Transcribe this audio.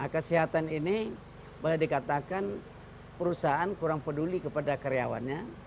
kesehatan ini boleh dikatakan perusahaan kurang peduli kepada karyawannya